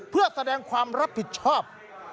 เพื่อแสดงความรับผิดชอบ